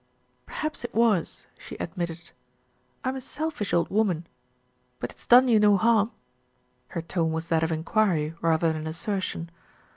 "Perhaps it was," she admitted. "I'm a selfish old woman. But it's done you no harm?" Her tone was that of enquiry rather than assertion.